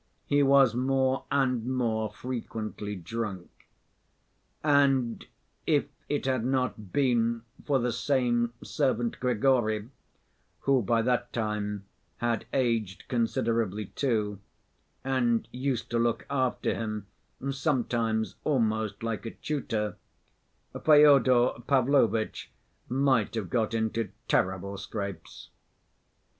He was more and more frequently drunk. And, if it had not been for the same servant Grigory, who by that time had aged considerably too, and used to look after him sometimes almost like a tutor, Fyodor Pavlovitch might have got into terrible scrapes.